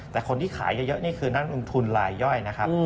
แต่คนที่ขายเยอะนี่คือนักลงทุนลายย่อยนะครับ